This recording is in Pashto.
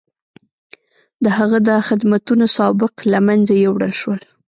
د هغه د خدمتونو سوابق له منځه یووړل شول.